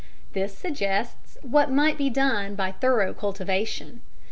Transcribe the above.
This suggests what might be done by thorough cultivation.